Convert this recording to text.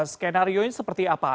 skenario ini seperti apa